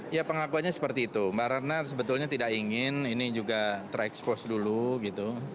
ya pengakuannya seperti itu mbak ratna sebetulnya tidak ingin ini juga terekspos dulu gitu